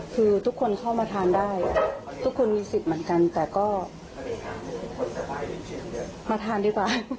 คือทุกคนเข้ามาทานได้ทุกคนมีสิทธิ์เหมือนกันแต่ก็มาทานดีกว่า